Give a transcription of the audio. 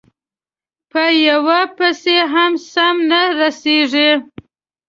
په یوه پسې هم سم نه رسېږي،